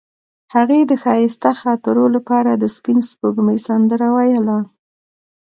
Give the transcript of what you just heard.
هغې د ښایسته خاطرو لپاره د سپین سپوږمۍ سندره ویله.